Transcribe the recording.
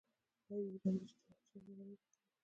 آیا د ایران ډیجیټل اقتصاد وده نه ده کړې؟